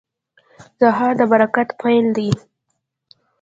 سهار د برکت پیل دی.